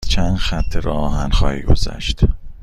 از چند خط راه آهن خواهی گذشت.